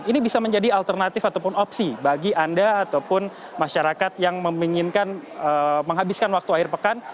ini bisa menjadi alternatif ataupun opsi bagi anda ataupun masyarakat yang menghabiskan waktu akhir pekan